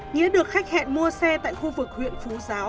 nghĩa được khách hẹn mua xe tại khu vực huyện phú giáo